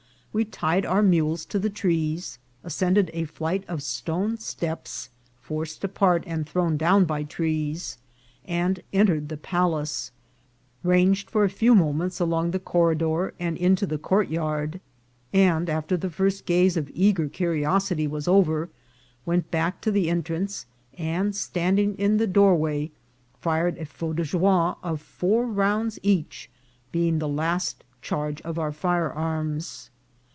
We tied our mules to the trees, ascended a flight of stone steps forced apart and thrown down by trees, and entered the palace, ranged for a few moments along the corrMor and into the courtyard, and after the first gaze of eager curiosity was over, went back to the entrance, and, standing in the doorway, fired a feu de joie of four rounds each, be ing the last charge of our firearms.